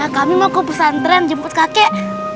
kami mau kok pesantren jemput kakek